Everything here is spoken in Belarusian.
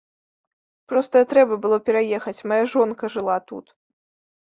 Проста трэба было пераехаць, мая жонка жыла тут.